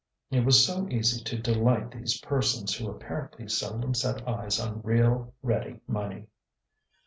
It was so easy to delight these persons who apparently seldom set eyes on real ready money.